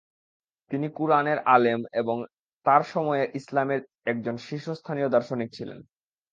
তিনি কুরআনের আলেম এবং তার সময়ে ইসলামের একজন শীর্ষস্থানীয় দার্শনিক ছিলেন।